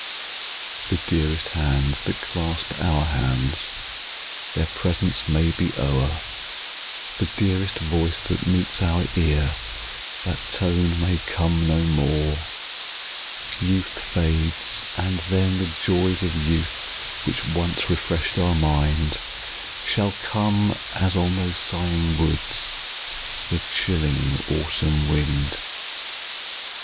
The dearest hands that clasp our hands, Their presence may be o'er; The dearest voice that meets our ear, That tone may come no more! Youth fades; and then, the joys of youth, Which once refresh'd our mind, Shall come, as, on those sighing woods, The chilling autumn wind.